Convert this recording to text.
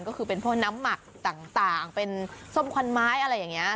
ก็คือเป็นพวกน้ำหมักต่างเป็นส้มควันไม้อะไรอย่างนี้